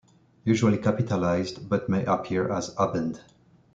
Usually capitalized, but may appear as "abend".